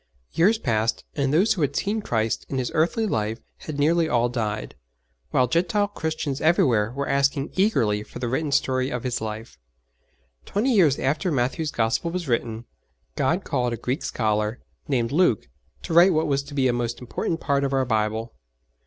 Years passed, and those who had seen Christ in His earthly life had nearly all died, while Gentile Christians everywhere were asking eagerly for the written story of His life. Twenty years after Matthew's Gospel was written, God called a Greek scholar, named Luke, to write what was to be a most important part of our Bible.